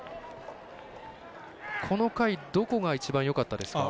この回、どこが一番よかったですか？